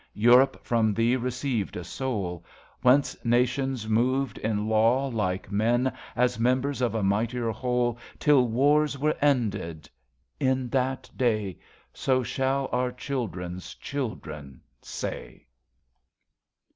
Europe frorn thee received a soul, Whence nations moved in laiv, like men, As members of a mightier ivhole, Till wars ivere ended. ... In that day, So shall our children's children say.